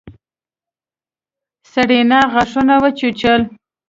سېرېنا غاښونه وچيچل.